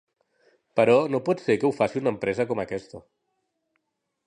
Però no pot ser que ho faci una empresa com aquesta.